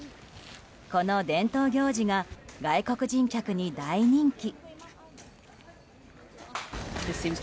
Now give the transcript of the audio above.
この伝統行事が外国人客に大人気。